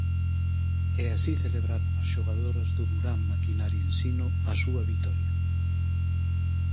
E así celebraron as xogadoras do Durán Maquinaria Ensino a súa vitoria.